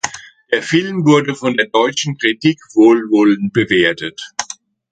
Der Film wurde von der deutschen Kritik wohlwollend bewertet.